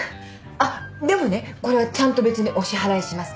あっでもねこれはちゃんと別にお支払いしますから。